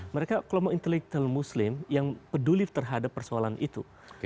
mereka kelompok intelektual muslim yang peduli terhadap persoalan itu